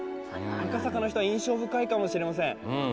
赤坂の人は印象深いかもしれません。